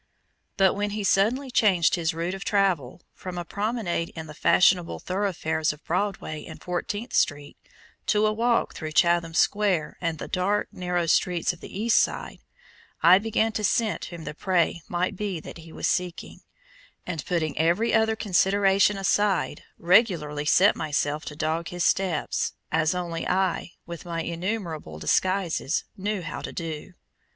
But when he suddenly changed his route of travel from a promenade in the fashionable thoroughfares of Broadway and Fourteenth Street to a walk through Chatham Square and the dark, narrow streets of the East side, I began to scent whom the prey might be that he was seeking, and putting every other consideration aside, regularly set myself to dog his steps, as only I, with my innumerable disguises, knew how to do.